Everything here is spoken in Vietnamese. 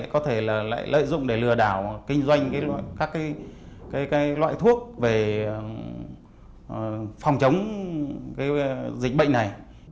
có thể là lại lợi dụng để lừa đảo kinh doanh các loại thuốc về phòng chống dịch bệnh này